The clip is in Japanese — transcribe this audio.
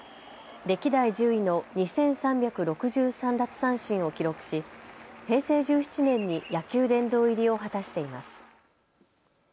歴代１０位の２３６３奪三振を記録し平成１７年に野球殿堂入りを果たしています。